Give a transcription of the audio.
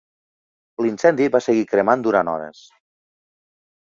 L'incendi va seguir cremant durant hores.